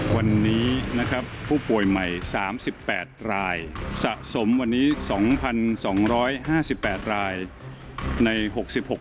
วันนี้นะครับผู้ป่วยใหม่สามสิบแปดรายสะสมวันนี้สองพันสองร้อยห้าสิบแปดรายในหกสิบหก